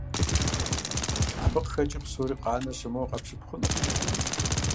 Абы къыхэкӀыу псори къанэ щымыӀэу къэпщып хъунукъым.